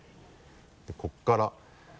でここから。